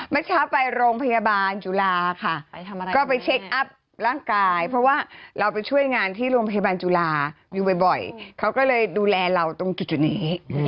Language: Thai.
เมื่อเช้าไปโรงพยาบาลจุฬาค่ะก็ไปเช็คอัพร่างกายเพราะว่าเราไปช่วยงานที่โรงพยาบาลจุฬาอยู่บ่อยเขาก็เลยดูแลเราตรงจุดนี้